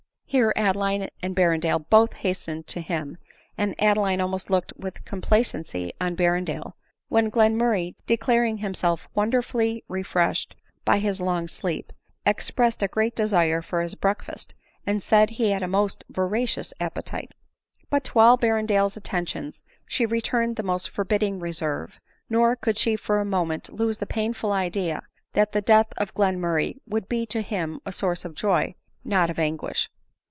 Here Adeline and Berrendale both hastened to him, and Adeline almost looked with complacency on Berren dale ; when Glenmurray, declaring himself wonderfully refreshed by his long sleep, expressed a great desire for his breakfast, and said he had a most voracious appetite. But to all Berrendale's attentions she returned the most forbidding reserve ; nor could she for a moment lose the painful idea, that the death of Glenmurray would be to him a source of joy, not of anguish.